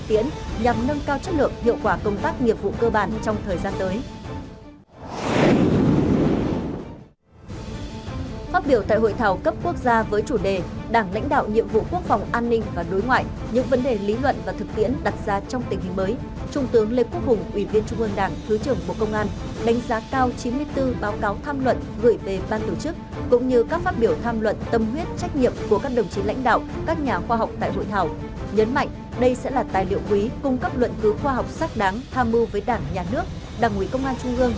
phát biểu tại hội thảo cấp quốc gia với chủ đề đảng lãnh đạo nhiệm vụ quốc phòng an ninh và đối ngoại những vấn đề lý luận và thực tiễn đặt ra trong tình hình mới trung tướng lê quốc hùng ủy viên trung ương đảng thứ trưởng bộ công an đánh giá cao chín mươi bốn báo cáo tham luận gửi về ban tổ chức cũng như các phát biểu tham luận tâm huyết trách nhiệm của các đồng chí lãnh đạo các nhà khoa học tại hội thảo nhấn mạnh đây sẽ là tài liệu quý cung cấp luận cứu khoa học sắc đáng tham mưu với đảng nhà nước đảng ủy công an trung ương